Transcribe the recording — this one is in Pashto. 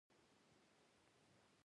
ټوله ورځ په کور کې وم.